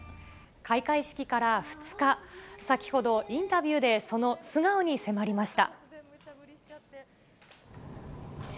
開会式から２日、先ほど、インタビューで、その素顔に迫りました。